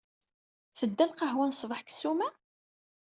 Tedda lqahwa n ṣṣbeḥ deg ssuma?